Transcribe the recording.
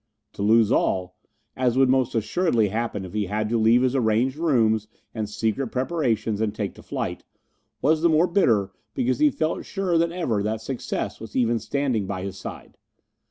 To lose all, as would most assuredly happen if he had to leave his arranged rooms and secret preparations and take to flight, was the more bitter because he felt surer than ever that success was even standing by his side.